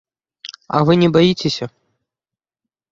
А вы не баіцеся?